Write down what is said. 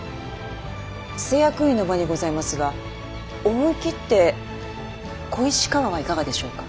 施薬院の場にございますが思い切って小石川はいかがでしょうか。